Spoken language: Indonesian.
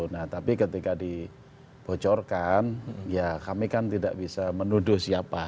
nah tapi ketika dibocorkan ya kami kan tidak bisa menuduh siapa